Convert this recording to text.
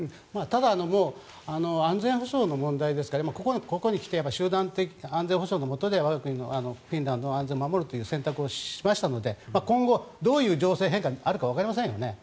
ただもう安全保障の問題ですから殊ここに来て集団的安全保障のもとで我が国の、フィンランドの安全を守るという選択をしましたので今後、どういう情勢変化があるかわかりませんよね。